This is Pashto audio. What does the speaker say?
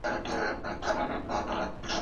ولي کاڼه خلک ګونګيان کېږي هم ؟